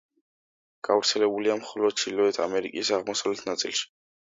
გავრცელებულია მხოლოდ ჩრდილოეთ ამერიკის აღმოსავლეთ ნაწილში.